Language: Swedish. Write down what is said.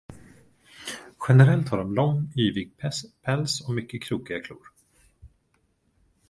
Generellt har de lång, yvig päls och mycket krokiga klor.